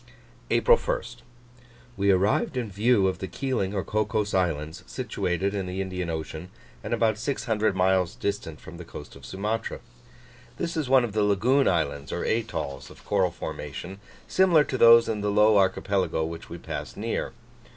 APRIL 1st. We arrived in view of the Keeling or Cocos Islands, situated in the Indian Ocean, and about six hundred miles distant from the coast of Sumatra. This is one of the lagoon islands (or atolls) of coral formation, similar to those in the Low Archipelago which we passed near.